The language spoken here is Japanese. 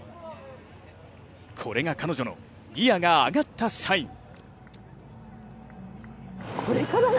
これが彼女のギヤが上がったサイン。